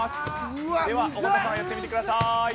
では尾形さんやってみてください。